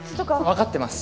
分かってます。